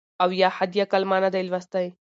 او یا حد اقل ما نه دی لوستی .